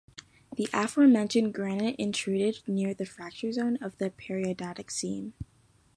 The aforementioned granite intruded near the fracture zone of the Periadriatic Seam.